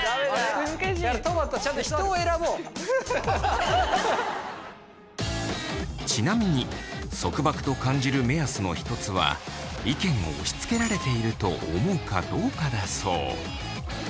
とまとちなみに束縛と感じる目安の一つは意見を押しつけられていると思うかどうかだそう。